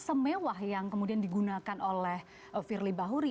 yang tersemewah yang kemudian digunakan oleh firli bahuri